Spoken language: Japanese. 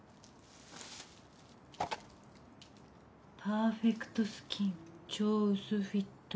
「パーフェクトスキン超うすフィット」？